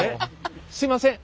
すみません